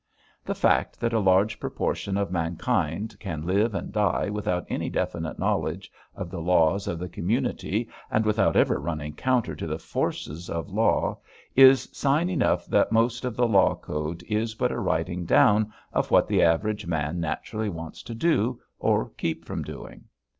The fact that a large proportion of mankind can live and die without any definite knowledge of the laws of the community and without ever running counter to the forces of law is sign enough that most of the law code is but a writing down of what the average man naturally wants to do or keep from doing.